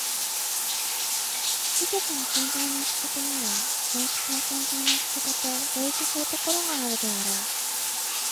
技術の存在の仕方には常識の存在の仕方と類似するところがあるであろう。